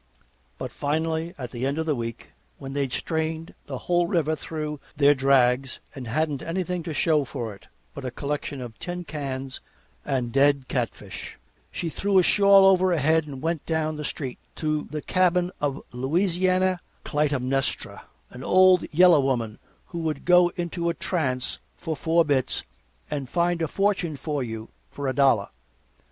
But finally, at the end of a week, when they'd strained the whole river through their drags and hadn't anything to show for it but a collection of tin cans and dead catfish, she threw a shawl over her head and went down the street to the cabin of Louisiana Clytemnestra, an old yellow woman, who would go into a trance for four bits and find a fortune for you for a dollar.